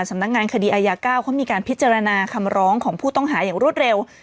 สำนักงานคดีอายา๙เขามีการพิจารณาคำร้องของผู้ต้องหาอย่างรวดเร็ว